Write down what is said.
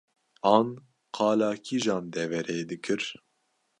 an qala kîjan deverê dikir